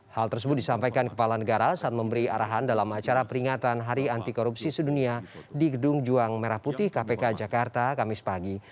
hal tersebut disampaikan kepala negara saat memberi arahan dalam acara peringatan hari anti korupsi sedunia di gedung juang merah putih kpk jakarta kamis pagi